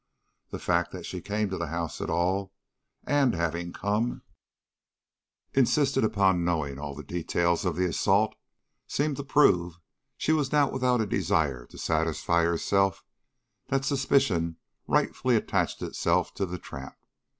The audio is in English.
The fact that she came to the house at all, and, having come, insisted upon knowing all the details of the assault, seem to prove she was not without a desire to satisfy herself that suspicion rightfully attached itself to the tramp.